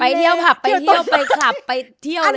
เที่ยวผับไปเที่ยวไปคลับไปเที่ยวเลย